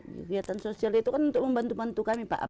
kegiatan sosial itu kan untuk membantu bantu kami pak